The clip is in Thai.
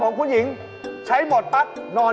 คนไม่ใช่หนูเล็ง